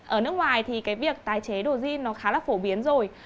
ở nước ngoài thì việc tái chế đồ jean khá là phổ biến rồi